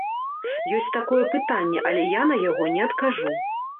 Ёсць такое пытанне, але я на яго не адкажу.